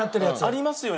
ありますよね。